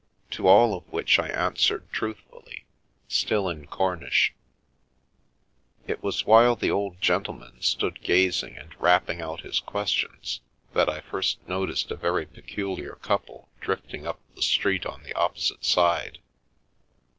To all of which I answered truthfully, still in Cornish. It was while the old gentleman stood gazing and rapping out his ques tions that I first noticed a very peculiar couple drifting up the street on the opposite side.